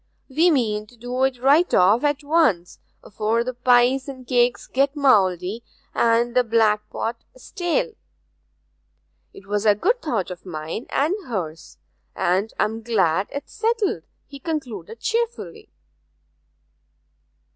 We mean to do it right off at once, afore the pies and cakes get mouldy and the blackpot stale. 'Twas a good thought of mine and hers, and I am glad 'tis settled,' he concluded cheerfully.